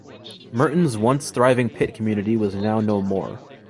Murton's once-thriving pit community was now no more.